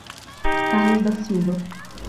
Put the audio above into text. Carlos da Silva